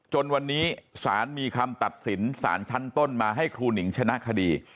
จนวันนี้สารมีคำตัดสินสารชั้นต้นมาให้ครูหนิงชนะคดี